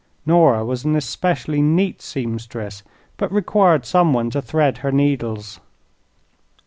Nora was an especially neat seamstress, but required some one to thread her needles.